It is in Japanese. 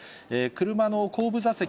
車の後部座席